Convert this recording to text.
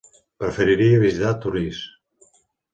Preferiria visitar Torís.